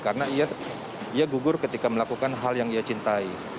karena dia gugur ketika melakukan hal yang dia cintai